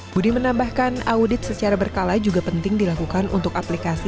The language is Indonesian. budi menambahkan audit secara berkala juga penting dilakukan untuk aplikasi